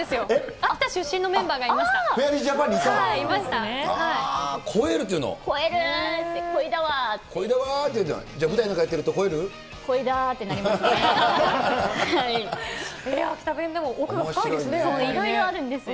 秋田出身のメンバーがいたんですよ。